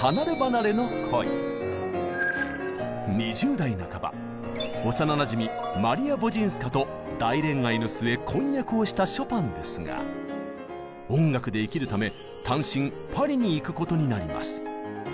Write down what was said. ２０代半ば幼なじみマリア・ヴォジンスカと大恋愛の末婚約をしたショパンですが音楽で生きるため単身パリに行くことになります。